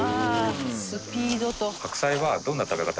スピードと。